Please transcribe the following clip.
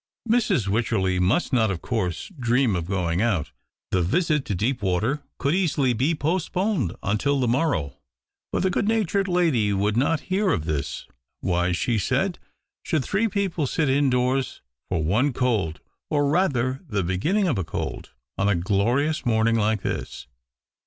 Mrs. t\^yclierley must not, of course, dream of romg out. The visit to Deepwater could easily be postponed until the morrow. But the good natured lady would not hear )f this. " Why," she said, " should three people sit ndoors for one cold — or, rather, the beginning )f a cold — on a glorious morning like this